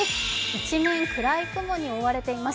一面、暗い雲に覆われています。